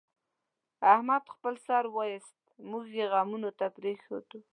احمد خپل سر وایست، موږ یې غمونو ته پرېښودلو.